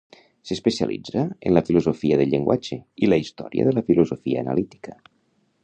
S'especialitza en la filosofia del llenguatge i la història de la filosofia analítica.